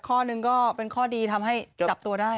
มันเป็นข้อดีทำให้จับตัวได้